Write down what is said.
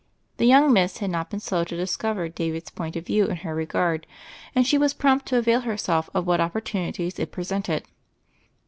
The young miss had not been slow to discover David's point of view in her regard, and she was prompt to avail herself of what opportuni ties it presented.